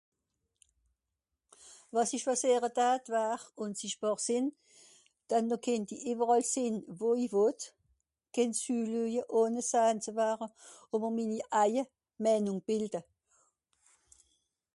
Wàs ìch schwàsìer dat war ùnsichtbàr sìnn dann noh kennt i ìwweràll sìnn wo i wott. Kennt zülueje ohne sahn ze ware ùn mr minni eijene Meinùng ze bìlde